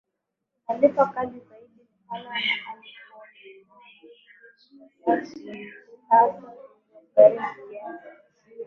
unalipa Kali zaidi ni pale aliponunua jozi mbili za viatu vya kisasa vilivyomgharimu kiasi